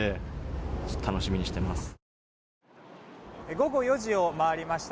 午後４時を回りました。